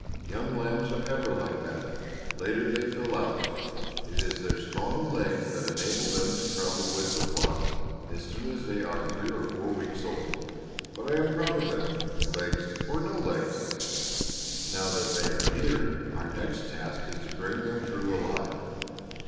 Young lambs are ever like that. Later they fill out. It is their strong legs that enable them to travel with the flock as soon as they are three or four weeks old. But I am proud of them legs or no legs. Now that they are here, our next task is to bring them through alive.